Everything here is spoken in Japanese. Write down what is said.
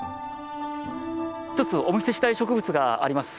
１つお見せしたい植物があります。